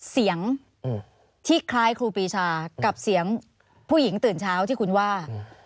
เสียงที่คล้ายครูปีชากับเสียงผู้หญิงตื่นเช้าที่คุณว่า